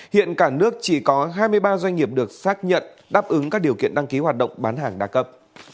hiện cả nước chỉ có hai mươi ba doanh nghiệp được xác nhận đáp ứng các điều kiện đăng ký hoạt động bán hàng đa cấp